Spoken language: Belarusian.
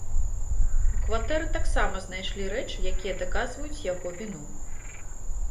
У кватэры таксама знайшлі рэчы, якія даказваюць яго віну.